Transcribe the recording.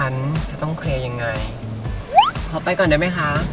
เราไปก่อนได้ไหมคะ